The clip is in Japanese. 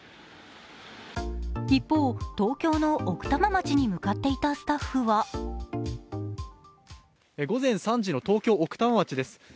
一方、東京の奥多摩町に向かっていたスタッフは午前３時の東京・奥多摩町です。